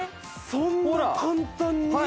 そんな簡単に！？